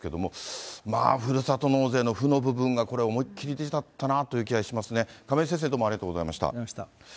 まあふるさと納税の負の部分が、これ思いっきりだったなという気はしますね、亀井先生、どうもありがとうございました。